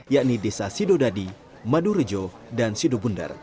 yakni desa sidodadi madurejo dan sidobundar